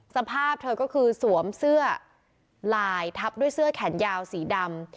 สภาพเธอก็คือสวมเสื้อลายทับด้วยเสื้อแขนยาวสีดำ